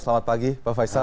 selamat pagi pak faisal